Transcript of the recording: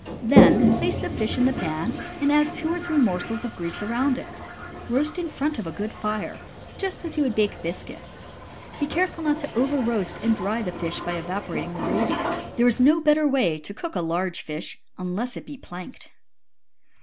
Then place the fish in the pan and add two or three morsels of grease around it. Roast in front of a good fire, just as you would bake biscuit. Be careful not to overroast and dry the fish by evaporating the gravy. There is no better way to cook a large fish, unless it be planked.